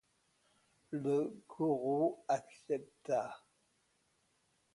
Le guru accepta.